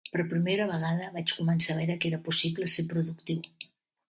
Per primera vegada vaig començar a veure que era possible ser productiu.